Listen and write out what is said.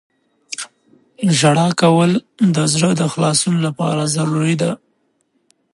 • ژړا کول د زړه د خلاصون لپاره ضروري ده.